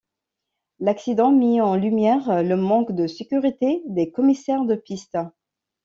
L'accident mis en lumière le manque de sécurité des commissaires de piste.